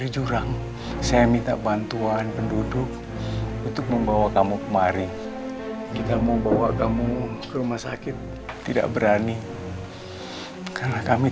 ibu pengen nyenguk karina setelah kita selesai pemakaman doni